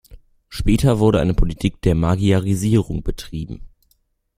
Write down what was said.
Später wurde eine Politik der Magyarisierung betrieben.